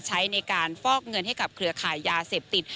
ใช้ในการฟอกเงินให้กับเครือขายยาเสพติด